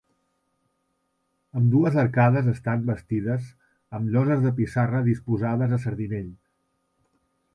Ambdues arcades estan bastides amb lloses de pissarra disposades a sardinell.